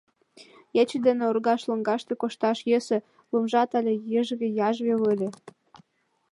Ече дене оргаж лоҥгаште кошташ йӧсӧ, лумжат але йыжве-яжве веле.